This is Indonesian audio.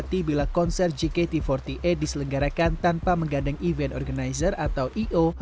dapati bila konser jkt empat puluh delapan diselenggarakan tanpa menggandeng event organizer atau io